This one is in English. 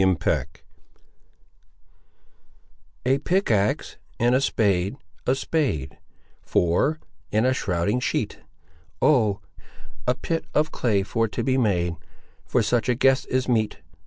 CHAPTER XIII A pickaxe, and a spade, a spade, For,—and a shrouding sheet: O, a pit of clay for to be made For such a guest is meet.